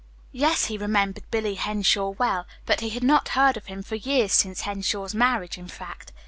Yes, he remembered Billy Henshaw well, but he had not heard of him for years, since Henshaw's marriage, in fact.